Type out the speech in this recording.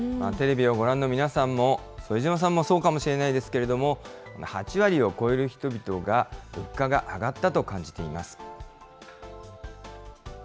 テレビをご覧の皆さんも、副島さんもそうかもしれないですけれども、８割を超える人々が、物価が上がったと感じています。